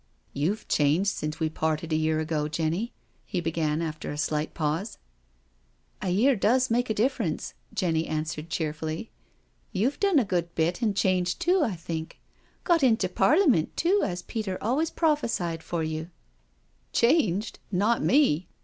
" You've changed since we've parted a year ago, Jenny," he began, after a slight pause. " A year does make a difference," Jenny answered cheerfully; " you've done a good bit and changed too, I think— got into Parliament too as Peter always pro phesied for you." 174 yo SURRENDER " Changed I Not me."